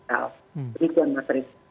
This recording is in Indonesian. jadi itu yang materi